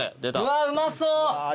うわうまそう。